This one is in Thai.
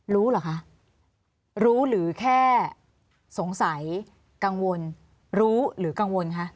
รู้เหรอคะรู้หรือแค่สงสัยกังวลรู้หรือกังวลคะ